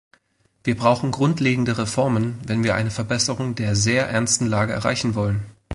Wir brauchen grundlegende Reformen, wenn wir eine Verbesserung der sehr ernsten Lage erreichen wollen.